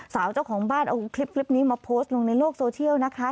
เจ้าของบ้านเอาคลิปนี้มาโพสต์ลงในโลกโซเชียลนะคะ